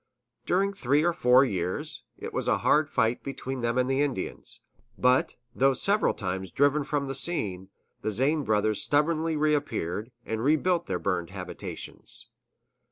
During three or four years, it was a hard fight between them and the Indians; but, though several times driven from the scene, the Zane brothers stubbornly reappeared, and rebuilt their burned habitations.